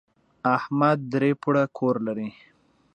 احمد درې پوړه کور لري.